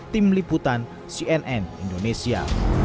tim liputan cnn indonesia